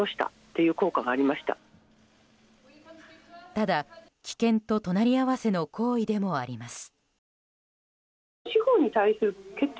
ただ、危険と隣り合わせの行為でもあります。